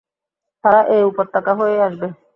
তারা এ উপত্যকা হয়েই আসবে।